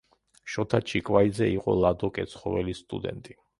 შოთა ჩიკვაიძე იყო ლადო კეცხოველის სტუდენტი.